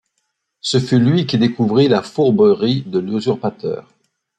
Ce fut lui qui découvrit la fourberie de l'usurpateur.